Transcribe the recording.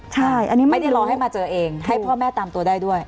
ใช่อันนี้ไม่ได้รอให้มาเจอเองให้พ่อแม่ตามตัวได้ด้วย